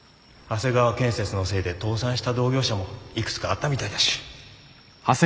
長谷川建設のせいで倒産した同業者もいくつかあったみたいだし。